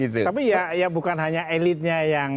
tapi ya bukan hanya elitnya yang